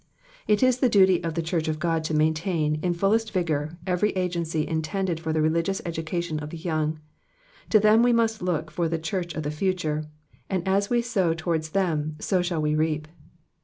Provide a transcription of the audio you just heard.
It is the diity of the church of God to maintain, in fullest vigour, every agency intended for the religious education of the young ; to them we must look for the church of the future, and as we sow towards them so shall we reap.